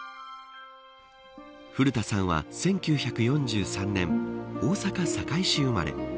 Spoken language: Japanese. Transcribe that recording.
古田さんは、１９４３年大阪、堺市生まれ。